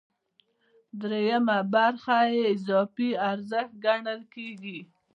درېیمه برخه اضافي ارزښت ګڼل کېږي